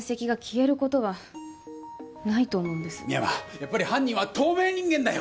やっぱり犯人は透明人間だよ